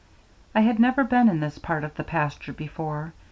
I had never been in this part of the pasture before.